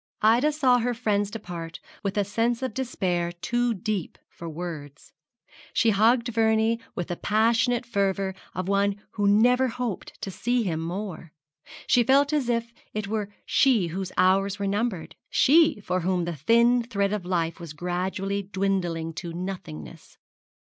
Ida saw her friends depart with a sense of despair too deep for words. She hugged Vernie with the passionate fervour of one who never hoped to see him more. She felt as if it were she whose hours were numbered, she for whom the thin thread of life was gradually dwindling to nothingness.